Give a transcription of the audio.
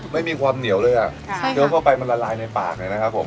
ไม่มีความเหนียวเลยอ่ะเคี้ยวเข้าไปมันละลายในปากเลยนะครับผม